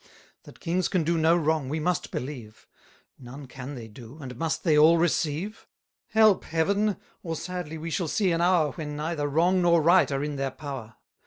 That kings can do no wrong, we must believe; None can they do, and must they all receive? Help, Heaven! or sadly we shall see an hour, When neither wrong nor right are in their power!